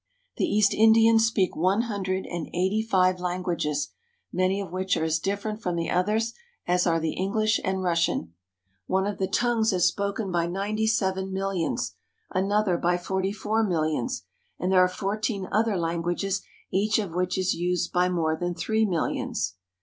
The East Indians speak one hundred and eighty five languages, many of which are as different from the others as are the English and Russian. One of the tongues is spoken by ninety seven millions, another by forty four millions, and there are fourteen other languages each of which is used by more than three millions.